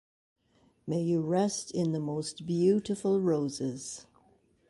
May you rest in the most beautiful roses.